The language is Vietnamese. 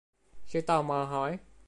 Sự tò mò hỏi